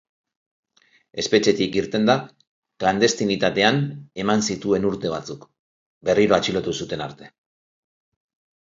Espetxetik irtenda, klandestinitatean eman zituen urte batzuk, berriro atxilotu zuten arte.